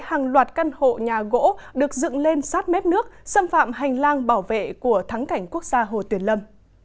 hàng loạt căn hộ nhà gỗ được dựng lên sát mép nước xâm phạm hành lang bảo vệ của thắng cảnh quốc gia hồ tuyền lâm